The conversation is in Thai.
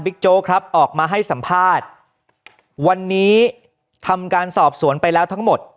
โจ๊กครับออกมาให้สัมภาษณ์วันนี้ทำการสอบสวนไปแล้วทั้งหมด